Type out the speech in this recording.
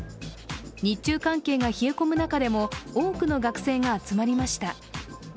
日中関係が冷え込む中でも多くの学生が集まりました。